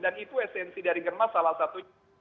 dan itu esensi dari germas salah satunya